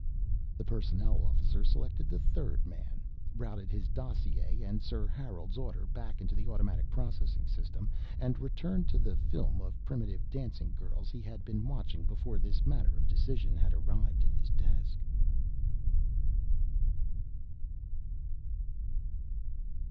The personnel officer selected the third man, routed his dossier and Sir Harold's order back into the automatic processing system, and returned to the film of primitive dancing girls he had been watching before this matter of decision had arrived at his desk.